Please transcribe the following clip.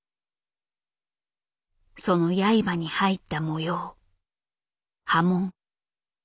その刃に入った模様刃文。